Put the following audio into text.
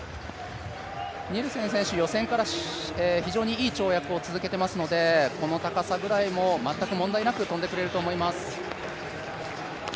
ニルセン選手、予選から非常にいい跳躍を続けていますので、この高さぐらいも全く問題なく跳んでくれると思います。